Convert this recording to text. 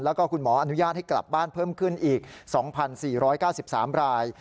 แล้วก็คุณหมออนุญาตให้กลับบ้านเพิ่มขึ้นอีก๒๔๙๓ราย